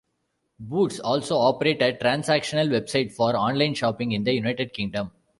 Boots also operate a transactional website for online shopping in the United Kingdom.